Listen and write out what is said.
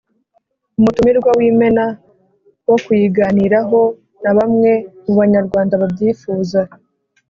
Umutumirwa w'Imena - wo kuyiganiraho na bamwe mu banyarwanda babyifuza.